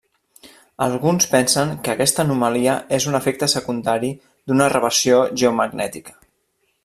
Alguns pensen que aquesta anomalia és un efecte secundari d'una reversió geomagnètica.